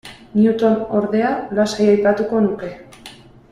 Newton, ordea, lasai aipatuko nuke.